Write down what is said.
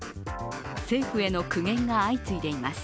政府への苦言が相次いでいます。